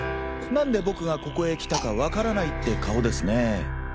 何で僕がここへ来たかわからないって顔ですね？